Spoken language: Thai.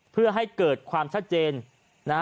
เพื่อให้เกิดความชัดเจนนะฮะ